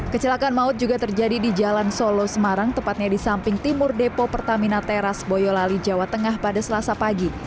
kecelakaan maut juga terjadi di jalan solo semarang tepatnya di samping timur depo pertamina teras boyolali jawa tengah pada selasa pagi